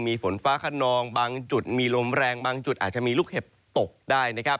มีฝนฟ้าขนองบางจุดมีลมแรงบางจุดอาจจะมีลูกเห็บตกได้นะครับ